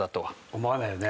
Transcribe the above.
思わないよね。